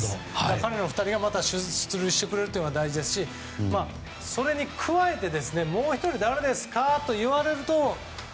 彼ら２人が出塁してくれるのが大事ですしそれに加えてもう１人誰ですかといわれると。